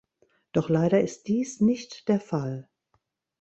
Doch leider ist dies nicht der Fall.